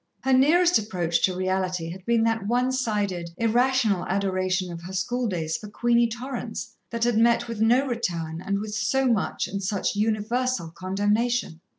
Her nearest approach to reality had been that one sided, irrational adoration of her schooldays for Queenie Torrance, that had met with no return, and with so much and such universal condemnation.